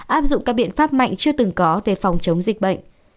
áp dụng các biện pháp mạnh chưa từng có để phòng chống dịch bệnh